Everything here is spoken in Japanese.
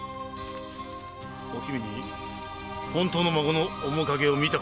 おきみに本当の孫の面影を見たからではないのか？